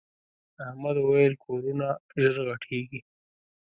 احمد وويل: کورونه ژر غټېږي.